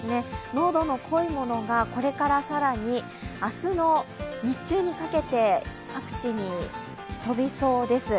濃度の濃いものがこれから更に明日の日中にかけて各地に飛びそうです。